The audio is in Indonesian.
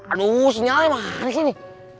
aduh sinyalnya mana sih ini